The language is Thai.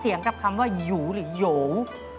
เปลี่ยนกับคำว่าหยูหรือโหว